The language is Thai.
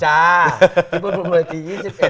จ้าที่ประมาณปี๒๑๒๕